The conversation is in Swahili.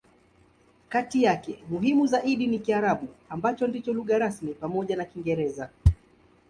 Kati yake, muhimu zaidi ni Kiarabu, ambacho ndicho lugha rasmi pamoja na Kiingereza.